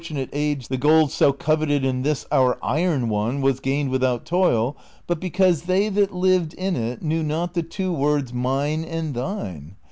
nate age the gold so coveted in this our iron one was gained without toil, but because they that lived in it knew not the two words ' inine ' and ' tliine